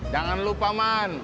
jangan lupa man